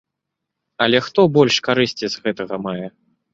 Але хто больш карысці з гэтага мае?